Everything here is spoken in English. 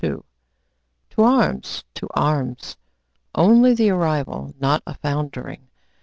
II. "To arms! to arms" ONLY the arrival, not a foundering.